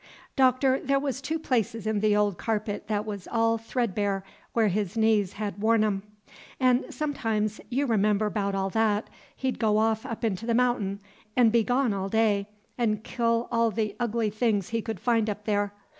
Doctor, there was two places in the old carpet that was all threadbare, where his knees had worn 'em. An' sometimes, you remember 'bout all that, he'd go off up into The Mountain, 'n' be gone all day, 'n' kill all the Ugly Things he could find up there.